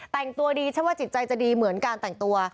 แต่งตัวดีฉันว่าจิตใจจะดีเหมือนการแต่งตัว